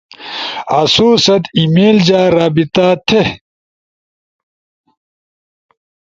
آسو ست ای میل جا رابطہ تھے